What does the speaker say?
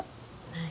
はい。